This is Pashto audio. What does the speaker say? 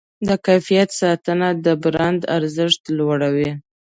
د کیفیت ساتنه د برانډ ارزښت لوړوي.